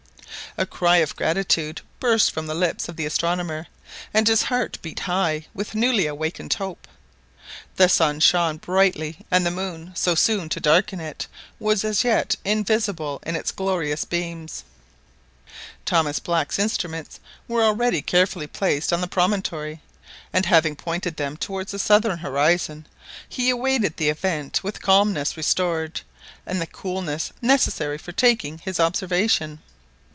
A cry of gratitude burst from the lips of the astronomer, and his heart beat high with newly awakened hope. The sun shone brightly, and the moon, so soon to darken it, was as yet invisible in its glorious beams. Thomas Black's instruments were already carefully placed on the promontory, and having pointed them towards the southern horizon, he awaited the event with calmness restored, and the coolness necessary for taking his observation.